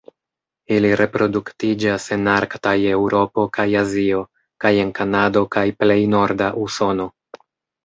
Ili reproduktiĝas en Arktaj Eŭropo kaj Azio kaj en Kanado kaj plej norda Usono.